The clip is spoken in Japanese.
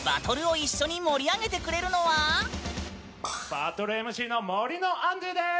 バトルＭＣの森のアンドゥーです。